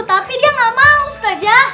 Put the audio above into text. tapi dia ga mau ustazah